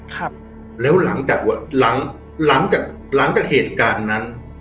ครับแล้วหลังจากหลังหลังจากหลังจากเหตุการณ์นั้น